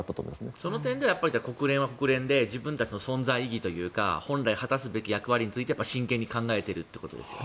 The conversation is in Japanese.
その点ではやはり国連は国連で自分たちの存在意義というか本来果たすべき役割について真剣に考えてるということですよね。